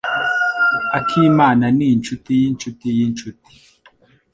Akimana ni inshuti yinshuti yinshuti.